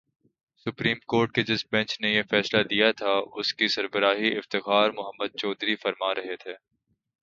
Supreme court کے جس bench نے یہ فیصلہ دیا تھا، اس کی سربراہی افتخار محمد چودھری فرما رہے تھے۔